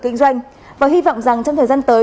kinh doanh và hy vọng rằng trong thời gian tới